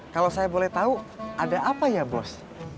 kalau saya boleh tahu ada apa ya bos